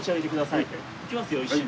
いきますよ一緒に。